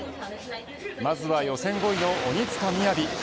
まずは予選５位の鬼塚雅。